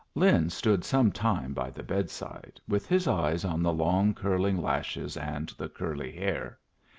Lin stood some time by the bedside, with his eyes on the long, curling lashes and the curly hair.